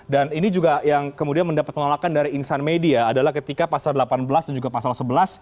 dan ini juga yang kemudian mendapatkan nolakan dari insan media adalah ketika pasal delapan belas dan juga pasal sebelas